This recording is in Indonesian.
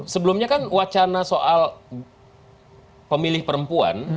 sebelumnya kan wacana soal pemilih perempuan